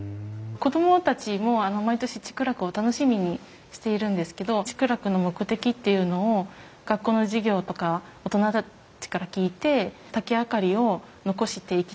子供たちも毎年竹楽を楽しみにしているんですけど竹楽の目的っていうのを学校の授業とか大人たちから聞いて竹明かりを残していきたい